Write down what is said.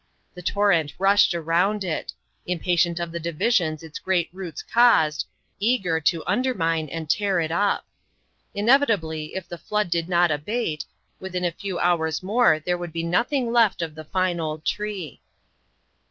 The torrent rushed round it impatient of the divisions its great roots caused eager to undermine and tear it up. Inevitably, if the flood did not abate, within a few hours more there would be nothing left of the fine old tree.